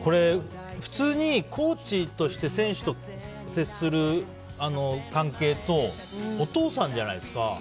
普通にコーチとして選手と接する関係とお父さんじゃないですか。